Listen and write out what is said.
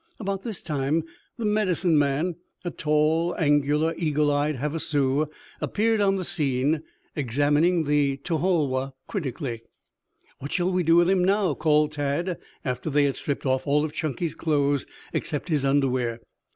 About this time the Medicine man, a tall, angular, eagle eyed Havasu, appeared on the scene, examining the to hol woh critically. "What shall we do with him now?" called Tad, after they had stripped off all of Chunky's clothes except his underwear.